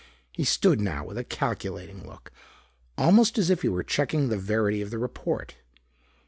He stood now with a calculating look, almost as if he were checking the verity of the report.